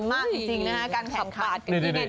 มากจริงนะฮะการแข่งขาดกันดี